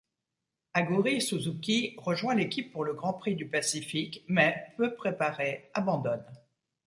Aguri Suzuki rejoint l'équipe pour le Grand Prix du Pacifique mais, peu préparé, abandonne.